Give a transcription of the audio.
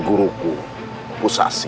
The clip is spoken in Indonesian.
aku akan mencari